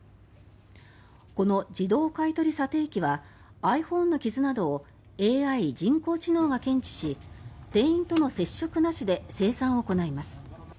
この自動買取査定機はｉＰｈｏｎｅの傷などをＡＩ・人工知能が検知し店員との接触なしで精算を行います。